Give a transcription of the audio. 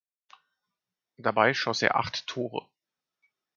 Dabei schoss er acht Tore.